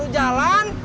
udah jalan ya mbak